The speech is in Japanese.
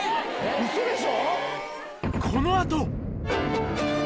ウソでしょ⁉